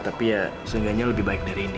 tapi ya seenggaknya lebih baik dari ini